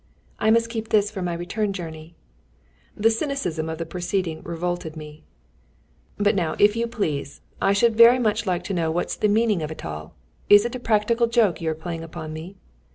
"I must keep this for my return journey." The cynicism of the proceeding revolted me. "But now, if you please, I should very much like to know what's the meaning of it all. Is it a practical joke you are playing upon me?"